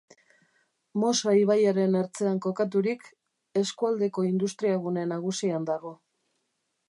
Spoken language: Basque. Mosa ibaiaren ertzean kokaturik, eskualdeko industriagune nagusian dago.